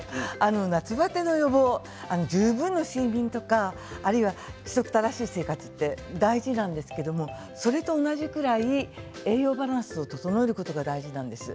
夏バテの予防十分の睡眠あるいは規則正しい生活大事なんですけれどそれと同じくらい栄養バランスを整えるのが大事なんです。